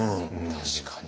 確かに。